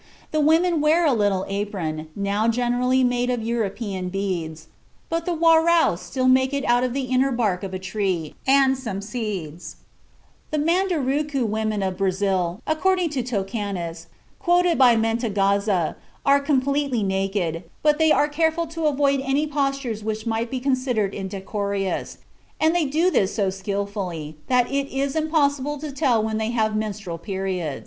The women wear a little apron, now generally made of European beads, but the Warraus still make it of the inner bark of a tree, and some of seeds. (Everard im Thurn, Among the Indians of Guiana, 1883.) The Mandurucu women of Brazil, according to Tocantins (quoted by Mantegazza), are completely naked, but they are careful to avoid any postures which might be considered indecorous, and they do this so skilfully that it is impossible to tell when they have their menstrual periods.